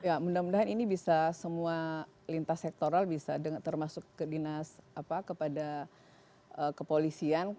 ya mudah mudahan ini bisa semua lintas sektoral bisa termasuk kepada kepolisian